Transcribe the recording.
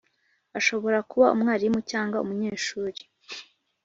Ashobora kuba umwarimu cyangwa umunyeshuri.